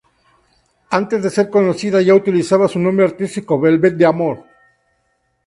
Antes de ser conocida, ya utilizaba su nombre artístico, Velvet d'Amour.